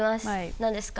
何ですか？